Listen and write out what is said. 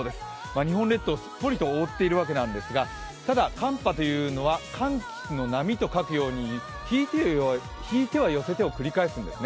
日本列島をすっぽりと覆っているわけなんですがただ、寒波というのは寒気の波と書くように引いては寄せて、引いては寄せてを繰り返すんですね。